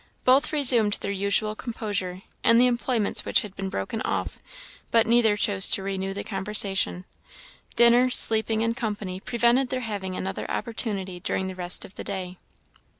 Both resumed their usual composure, and the employments which had been broken off; but neither chose to renew the conversation. Dinner, sleeping, and company prevented their having another opportunity during the rest of the day.